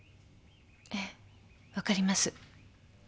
ええ分かります。